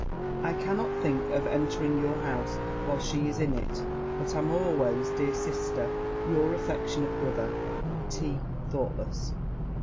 I cannot think of entering your house while she is in it; but am always, dear sister, your affectionate brother, T. THOUGHTLESS.'